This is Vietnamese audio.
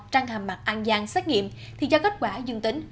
trăng hàm mặt ăn giang xét nghiệm thì do kết quả dương tính